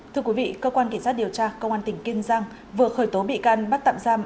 thưa quý vị cơ quan kỳ sát điều tra công an tỉnh kiên giang vừa khởi tố bị can bắt tạm giam